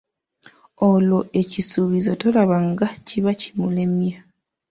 Olwo ekisuubizo tolaba nga kiba kimulemye?